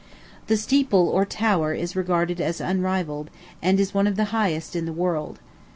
The steeple or tower is regarded as unrivalled, and is one of the highest in the world.